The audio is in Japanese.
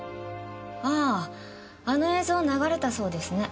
あああの映像流れたそうですね。